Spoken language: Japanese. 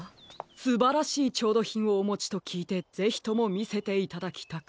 すばらしいちょうどひんをおもちときいてぜひともみせていただきたく。